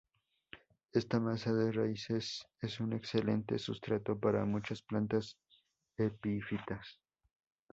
Esta masa de raíces es un excelente sustrato para muchas plantas epífitas.